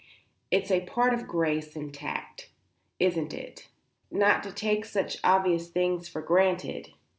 It's a part of grace and tact, isn't it, not to take such obvious things for granted.